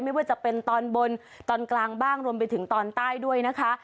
ไม่ว่าจะเป็นตอนบนตอนกลางบ้างรวมไปถึงตอนใต้ด้วยนะคะ